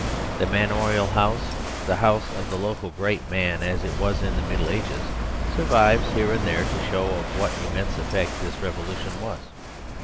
The manorial house, the house of the local great man as it was in the Middle Ages, survives here and there to show of what immense effect this revolution was.